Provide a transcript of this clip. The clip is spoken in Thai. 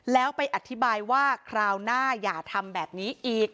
แล้วไปอธิบายว่าคราวหน้าอย่าทำแบบนี้อีก